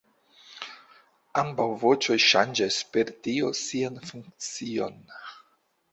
Ambaŭ voĉoj ŝanĝas per tio sian funkcion.